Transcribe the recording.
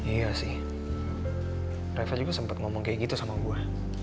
iya sih reva juga sempat ngomong kayak gitu sama gue